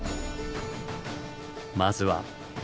まずは。